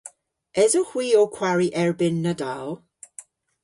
Esowgh hwi ow kwari erbynn Nadal?